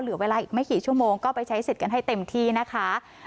เหลือเวลาอีกไม่กี่ชั่วโมงก็ไปใช้สิทธิ์กันให้เต็มที่นะคะ